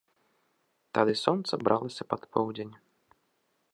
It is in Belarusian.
Тады сонца бралася пад поўдзень.